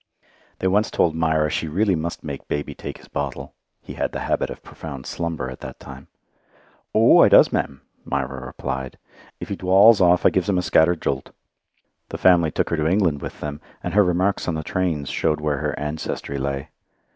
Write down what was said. They once told 'Mira she really must make baby take his bottle. (He had the habit of profound slumber at that time.) "Oh! I does, ma'm," 'Mira replied. "If he dwalls off, I gives him a scattered jolt." The family took her to England with them, and her remarks on the trains showed where her ancestry lay.